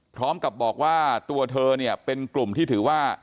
พร้อมกับบอกว่าตัวเธอเนี่ยเป็นกลุ่มที่ถือว่า